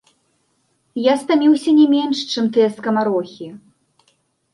Я стаміўся не менш, чым тыя скамарохі.